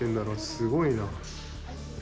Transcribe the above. すごいな。